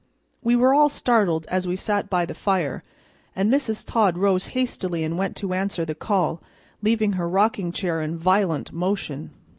We were all startled as we sat by the fire, and Mrs. Todd rose hastily and went to answer the call, leaving her rocking chair in violent motion.